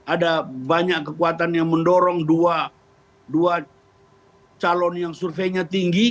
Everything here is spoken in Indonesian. ada banyak kekuatan yang mendorong dua calon yang surveinya tinggi